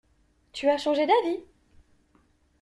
Tu as changé d’avis?